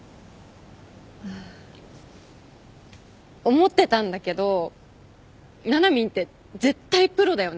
思ってたんだけどななみんって絶対プロだよね？